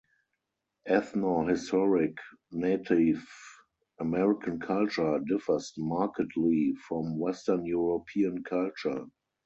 Ethnohistoric Native American culture differs markedly from Western European culture.